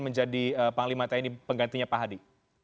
menjadi panglima tni penggantinya pak hadi